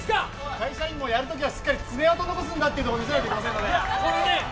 会社員もやるときはしっかり爪痕残すんだってとこ見せなきゃいけませんから。